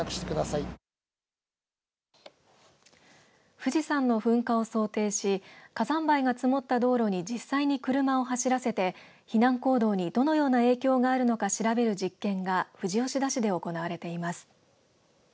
富士山の噴火を想定し火山灰が積もった道路に実際に車を走らせて避難行動にどのような影響があるのか調べる実験が富士吉田市で行われています。